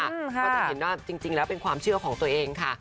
ก็จะเห็นว่าจริงแล้วเป็นความเชื่อของตัวเองค่ะ